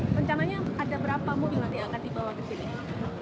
rencananya ada berapa mobil nanti akan dibawa ke sini